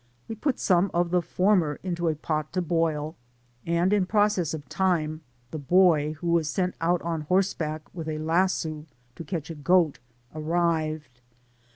We put some of the former into a pot to boil, and in process of time the boy, who was sent out on horseback with A lasso to catch a goat, arrived.